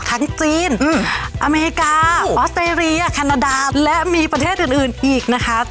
จีนอเมริกาออสเตรเลียแคนาดาและมีประเทศอื่นอีกนะคะ